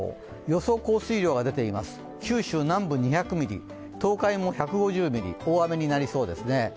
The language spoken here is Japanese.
予想降水量が出ています、九州南部２００ミリ、東海も１５０ミリ、大雨になりそうですね。